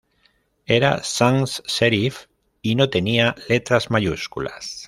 Era sans serif y no tenía letras mayúsculas.